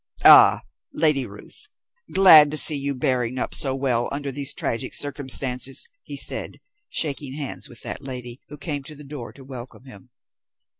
"Ah, Lady Ruth! Glad to see you bearing up so well under these tragic circumstances," he said, shaking hands with that lady, who came to the door to welcome him.